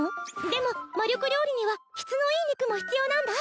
でも魔力料理には質のいい肉も必要なんだ